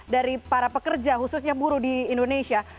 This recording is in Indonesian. dari para pekerja khususnya buruh di indonesia